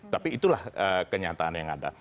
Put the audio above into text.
tapi itulah kenyataan yang ada